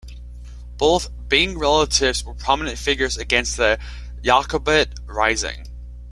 Both Byng relatives were prominent figures against the Jacobite rising.